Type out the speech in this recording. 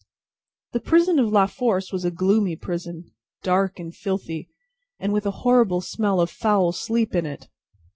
The prison of La Force was a gloomy prison, dark and filthy, and with a horrible smell of foul sleep in it.